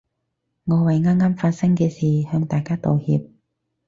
我為啱啱發生嘅事向大家道歉